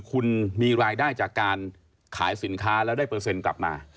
คุณมีรายได้จากการขายสินค้าแล้วได้เปอร์เซ็นต์กลับมา